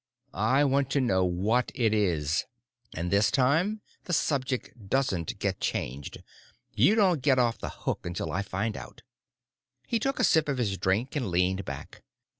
I want to know what it is, and this time the subject doesn't get changed. You don't get off the hook until I find out." He took a sip of his drink and leaned back.